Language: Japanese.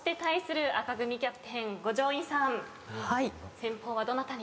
先鋒はどなたに？